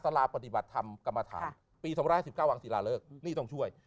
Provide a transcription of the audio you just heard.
ลาปฏิบัติธรรมกรรมฐานปี๒๕๙วังศิลาเลิกนี่ต้องช่วย